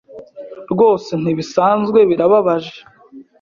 Rwose ntibisanzwe birababaje